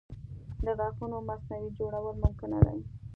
د غاښونو مصنوعي جوړول ممکنه دي.